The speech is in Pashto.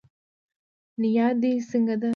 نيا دي څنګه ده